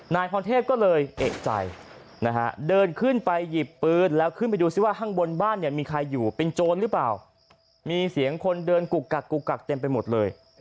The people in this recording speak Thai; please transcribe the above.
นายพรเทพก็เลยเอกใจนะฮะเดินขึ้นไปหยิบปืนแล้วขึ้นไปดูซิว่าข้างบนบ้านเนี่ยมีใครอยู่เป็นโจรหรือเปล่ามีเสียงคนเดินกุกกักกุกกักเต็มไปหมดเลย